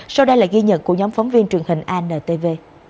sau đây là ghi nhận của nhóm phóng viên truyền hình antv